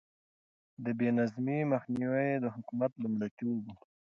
د بې نظمي مخنيوی يې د حکومت لومړيتوب و.